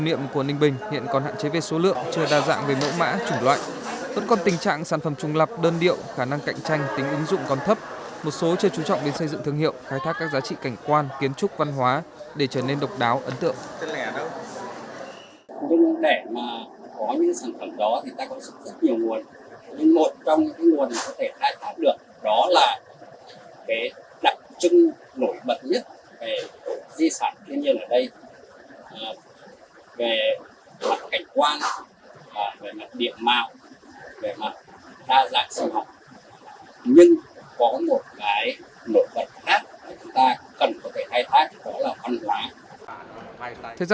tỉnh linh bình hiện còn hạn chế về số lượng chưa đa dạng về mẫu mã chủng loại tất còn tình trạng sản phẩm trùng lập đơn điệu khả năng cạnh tranh tính ứng dụng còn thấp một số chưa chú trọng đến xây dựng thương hiệu khai thác các giá trị cảnh quan kiến trúc văn hóa để trở nên độc đáo ấn tượng